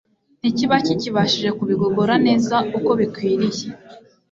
ntikiba kikibashije kubigogora neza uko bikwiriye.